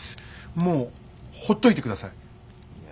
もうほっといてください。